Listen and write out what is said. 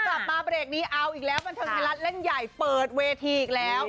กลับมาเบรกนี้เอาอีกแล้วบันเทิงไทยรัฐเล่นใหญ่เปิดเวทีอีกแล้ว